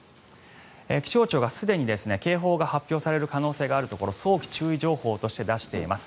気象庁がすでに警報が発表される可能性があるところを早期注意情報として出しています。